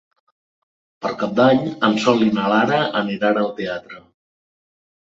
Per Cap d'Any en Sol i na Lara aniran al teatre.